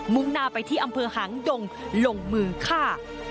่งหน้าไปที่อำเภอหางดงลงมือฆ่า